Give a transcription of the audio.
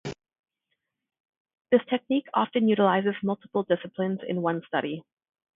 This technique often utilizes multiple disciplines in one study.